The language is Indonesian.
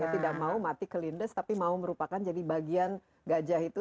tidak mau mati kelindes tapi mau merupakan jadi bagian gajah itu